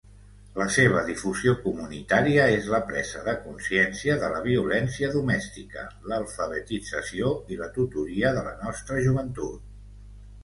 La seva difusió comunitària és la presa de consciència de la violència domèstica, l'alfabetització i la tutoria de la nostra joventut.